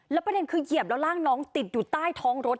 เป็นเพื่อนขึ้นเยี่ยมแล้วร่างน้องติดอยู่ใต้ท้องรถ